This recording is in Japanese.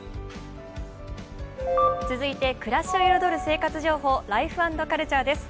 続いて暮らしを彩る生活情報、「ライフ＆カルチャー」です。